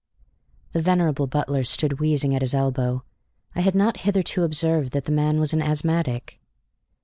The venerable butler stood wheezing at his elbow. I had not hitherto observed that the man was an asthmatic.